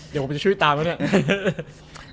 เดี๋ยวผมจะช่วยตามแล้วเนี่ย